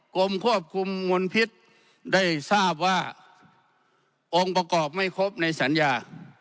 กรมควบคุมมลพิษได้ทราบว่าองค์ประกอบไม่ครบในสัญญา